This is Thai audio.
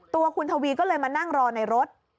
ตัวคุณทวีก็เลยมานั่งรอในรถ